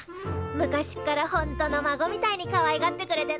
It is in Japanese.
昔っからほんとの孫みたいにかわいがってくれてな。